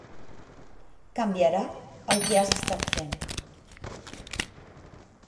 Canviarà el que has estat fent.